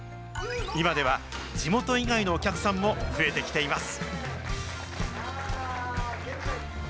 今では地元以外のお客さんも増えてきています。